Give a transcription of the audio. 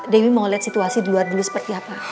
dewi mau lihat situasi di luar dulu seperti apa